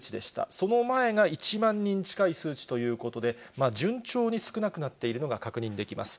その前が１万人近い数値ということで、順調に少なくなっているのが確認できます。